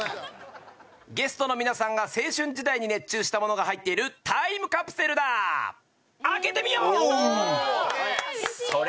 ゲストの皆さんが青春時代に熱中したモノが入っているタイムカプセルだそれ！